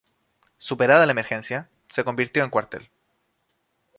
Superada la emergencia, se convirtió en cuartel.